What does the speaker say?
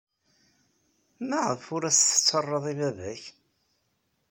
Maɣef ur as-tettarraḍ i baba-k?